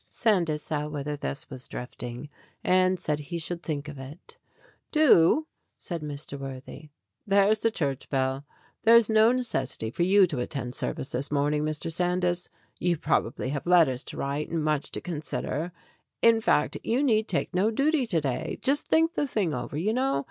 Sandys saw whither this was drifting, and said he should think of it. "Do," said Mr. Worthy. "There's the church bell. There's no necessity for yo'u to attend service this morning, Mr. Sandys. You probably have letters to write and much to consider. In fact, you need take no duty to day. Just think the thing over, you know.